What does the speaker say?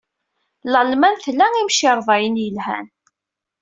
Lalman tla imcirḍaren yelhan.